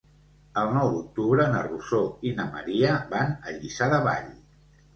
El nou d'octubre na Rosó i na Maria van a Lliçà de Vall.